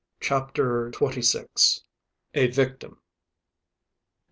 CHAPTER TWENTY SIX. A VICTIM.